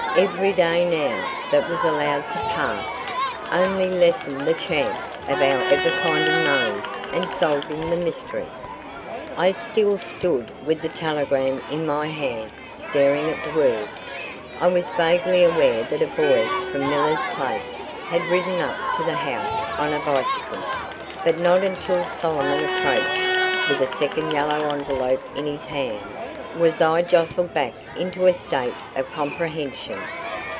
Every day now that was allowed to pass only lessened the chance of our ever finding Mose and solving the mystery. I still stood with the telegram in my hand staring at the words. I was vaguely aware that a boy from "Miller's place" had ridden up to the house on a bicycle, but not until Solomon approached with a second yellow envelope in his hand was I jostled back into a state of comprehension.